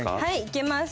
いけます！